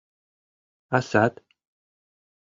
А сад?